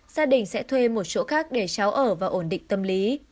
gia đình sẽ thuê một chỗ khác để cháu ở và ổn định tâm lý